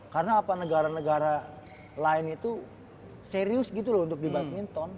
karena apa negara negara lain itu serius gitu loh untuk di badminton